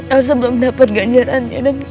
elsa belum dapat ganjarannya